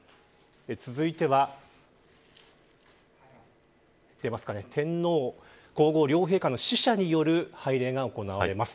続いては天皇皇后両陛下の使者による拝礼が行われます。